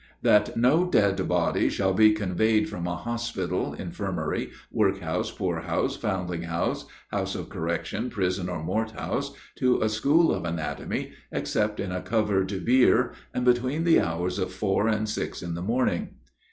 That no dead body shall be conveyed from a hospital, infirmary, work house, poor house, foundling house, house of correction, prison, or mort house, to a school of anatomy, except in a covered bier, and between the hours of four and six in the morning.